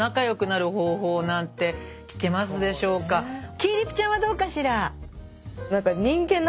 きぃぃりぷちゃんはどうかしら？